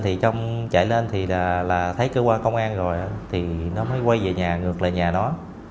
thì chạy lên thì là thấy cơ quan công an rồi thì nó mới quay về nhà ngược lại nhà nó